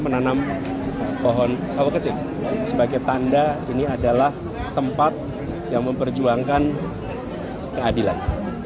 menanam pohon sawah kecil sebagai tanda ini adalah tempat yang memperjuangkan keadilan